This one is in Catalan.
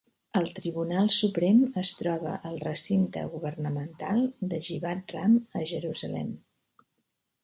El Tribunal Suprem es troba al recinte governamental de Givat Ram a Jerusalem.